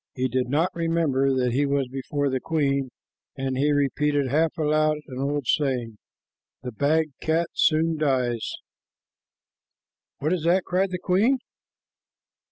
He did not remember that he was before the queen, and he repeated half aloud an old saying, "The bagged cat soon dies." "What is that?" cried the queen.